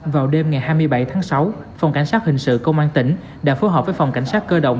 vào đêm ngày hai mươi bảy tháng sáu phòng cảnh sát hình sự công an tỉnh đã phối hợp với phòng cảnh sát cơ động